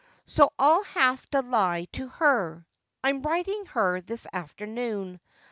So I'll have to he to her. I'm writing her this afternoon.